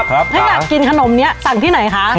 ถ้าอยากกินขนมนี้สั่งที่ไหนคะ